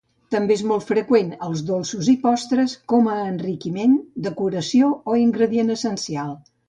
També és molt freqüent als dolços i postres, com a enriquiment, decoració o ingredient essencial.